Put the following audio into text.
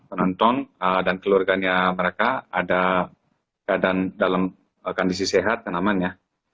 apa penonton dan keluarganya mereka ada keadaan dalam kondisi sehat dan aman ya